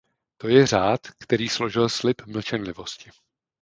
To je řád, který složil slib mlčenlivosti.